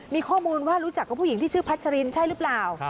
มีข้อมูลว่ารู้จักกับผู้หญิงที่ชื่อพัชรินใช่หรือเปล่า